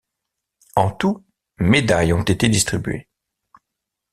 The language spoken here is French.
En tout, médailles ont été distribuées.